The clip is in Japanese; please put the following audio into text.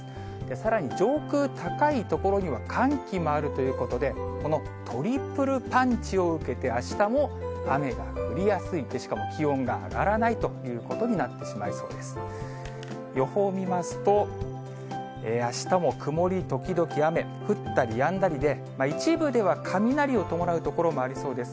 さらに上空、高い所には寒気もあるということで、このトリプルパンチを受けて、あしたも雨が降りやすい、しかも気温が上がらないということになってしまいそうです。